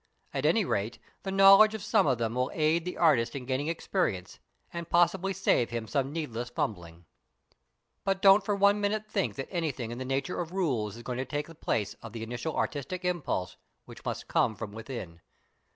At any rate the knowledge of some of them will aid the artist in gaining experience, and possibly save him some needless fumbling. But don't for one moment think that anything in the nature of rules is going to take the place of the initial artistic impulse which must come from within.